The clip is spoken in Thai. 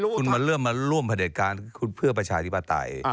คุณมาเริ่มมาร่วมประเด็จการคุณเพื่อประชาธิปไตย